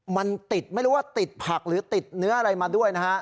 มันติดไม่รู้ว่าติดผักหรือติดเนื้ออะไรมาด้วยนะฮะ